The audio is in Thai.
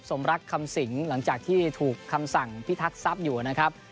สมรักคำสิงหลังจากที่ถูกคำสั่งพิทักษัพอยู่นะครับ